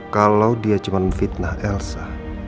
kalau dia cuman fitnah elsa